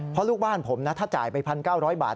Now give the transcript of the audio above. เพราะลูกบ้านผมนะถ้าจ่ายไป๑๙๐๐บาท